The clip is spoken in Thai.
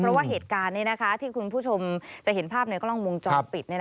เพราะว่าเหตุการณ์นี้ที่คุณผู้ชมจะเห็นภาพในกล้องวงจรปิด